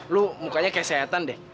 lo mukanya kayak setan deh